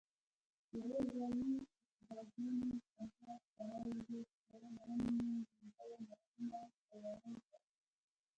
وری غوایي غبرګولی چنګاښ زمری وږی تله لړم لیندۍ مرغومی سلواغه کب